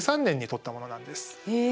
へえ。